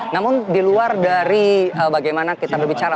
namun di luar dari bagaimana kita berbicara